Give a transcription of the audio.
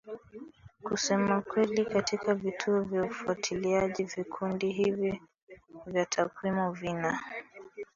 kusema kweli katika vituo vya ufuatiliaji Vikundi hivi vya takwimu vina